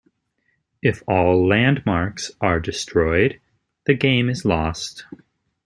If all landmarks are destroyed, the game is lost.